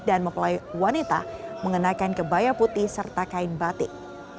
dan mempelai wanita mengenakan kebaya putih serta kain batik